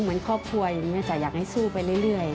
เหมือนครอบครัวอย่างนี้จ้ะอยากให้สู้ไปเรื่อย